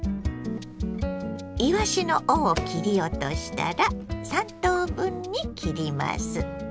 いわしの尾を切り落としたら３等分に切ります。